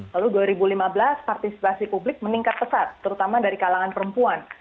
lalu dua ribu lima belas partisipasi publik meningkat pesat terutama dari kalangan perempuan